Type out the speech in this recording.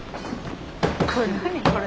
これ何これ。